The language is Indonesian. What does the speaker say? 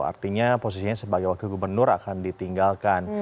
artinya posisinya sebagai wakil gubernur akan ditinggalkan